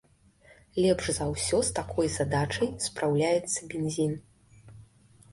Лепш за ўсё з такой задачай спраўляецца бензін.